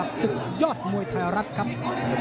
เด้งด้วยซ้าย